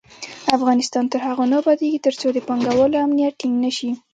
افغانستان تر هغو نه ابادیږي، ترڅو د پانګه والو امنیت ټینګ نشي.